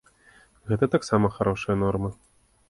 Гэта таксама харошая норма.